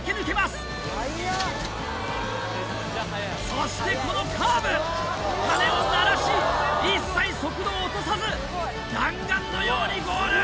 そしてこのカーブ！鐘を鳴らし一切速度を落とさず弾丸のようにゴール！